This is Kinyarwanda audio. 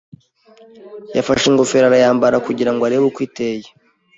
Yafashe ingofero arayambara kugira ngo arebe uko iteye.